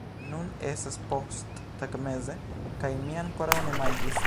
Nun estas posttagmeze kaj mi ankoraŭ ne manĝis